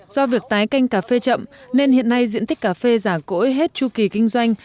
do việc tái canh cà phê chậm nên hiện nay diện tích cà phê giả cỗi hết chu kỳ kinh doanh